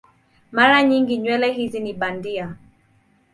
Mara nyingi nywele hizi ni bandia.